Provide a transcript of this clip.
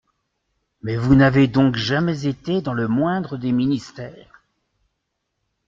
Mais vous n’avez donc jamais été dans le moindre des ministères ?